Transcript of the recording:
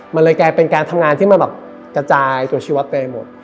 มันเลยกลายเป็นการทำงานที่มันแบบกระจายตัวชีวะไปหมด